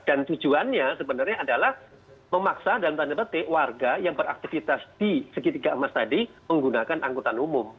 dan tujuannya sebenarnya adalah memaksa dalam tanda petik warga yang beraktivitas di segitiga emas tadi menggunakan angkutan umum